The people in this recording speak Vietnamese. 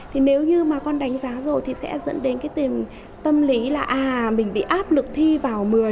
thì nếu như mà con đánh giá rồi thì sẽ dẫn đến cái tìm tâm lý là à mình bị áp lực thi vào một mươi